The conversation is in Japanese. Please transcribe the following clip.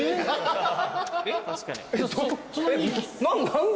何で？